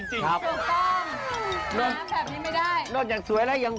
จ้าน